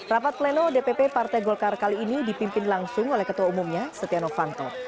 rapat pleno dpp partai golkar kali ini dipimpin langsung oleh ketua umumnya setia novanto